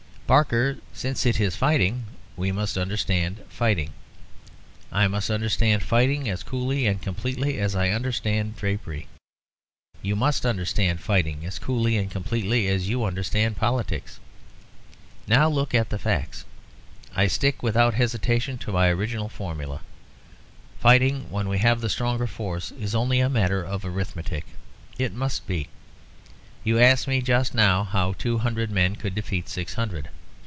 Barker, since it is fighting, we must understand fighting. I must understand fighting as coolly and completely as I understand drapery; you must understand fighting as coolly and completely as you understand politics. Now, look at the facts. I stick without hesitation to my original formula. Fighting, when we have the stronger force, is only a matter of arithmetic. It must be. You asked me just now how two hundred men could defeat six hundred.